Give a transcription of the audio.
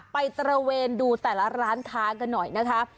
ตระเวนดูแต่ละร้านค้ากันหน่อยนะคะ